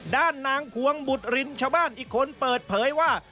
ด้านนางพวงบุตรรินชาวบ้านอีกคนเปิดเผยว่า